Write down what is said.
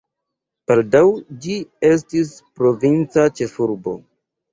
Baldaŭ ĝi estis provinca ĉefurbo.